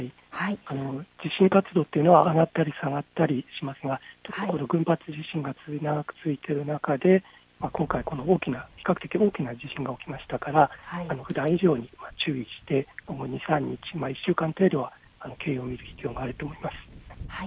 地震活動というのは上がったり下がったりしますが群発地震が非常に長く続いている中で今回大きな比較的大きな地震が起きましたからふだん以上に注意してここ２、３日、１週間程度は注意する必要があると思います。